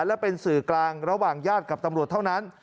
และเป็นสื่อกลางระหว่างญาติกับตำรวจเท่านั้น